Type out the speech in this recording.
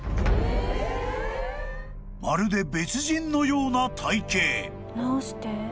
［まるで別人のような体形］